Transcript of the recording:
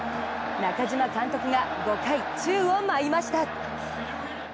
中嶋監督が５回、宙を舞いました。